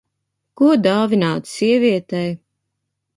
Ko dāvināt sievietei?